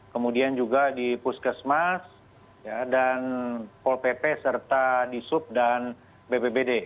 kemudian juga di puskesmas pol pp serta di sup dan bpbd